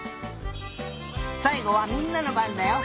さいごはみんなのばんだよ。